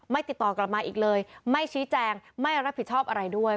ติดต่อกลับมาอีกเลยไม่ชี้แจงไม่รับผิดชอบอะไรด้วย